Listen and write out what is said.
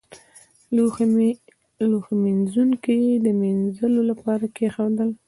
لوښي مې په لوښمینځوني کې د مينځلو لپاره کېښودل.